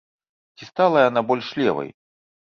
Ці стала яна больш левай?